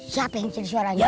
siapa yang ngisir suaranya